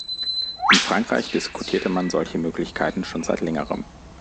In Frankreich diskutierte man solche Möglichkeiten schon seit längerem.